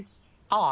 ああ！